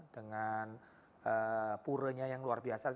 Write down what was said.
dengan puranya yang luar biasa